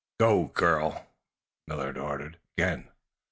"Go, girl!" Millard ordered again.